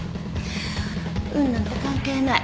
運なんて関係ない。